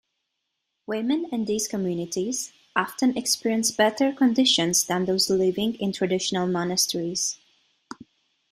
Women in these communities often experience better conditions than those living in traditional monasteries.